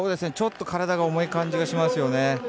ちょっと体が重い感じがしますよね。